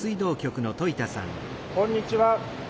こんにちは。